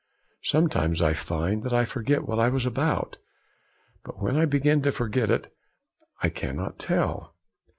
Sometimes I find that I forgot what I was about; But when I began to forget it, I cannot tell.